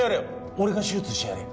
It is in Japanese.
俺が手術してやるよ。